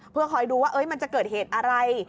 เพื่อคอยดูว่ามันจะเกิดเหตุอะไร